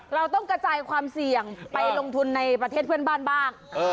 เราต้องกระจายความเสี่ยงไปลงทุนในประเทศเพื่อนบ้านบ้าง